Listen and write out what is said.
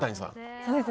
そうですね。